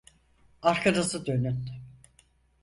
Arkanızı dönün!